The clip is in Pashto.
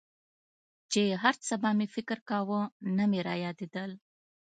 چې هرڅه به مې فکر کاوه نه مې رايادېدل.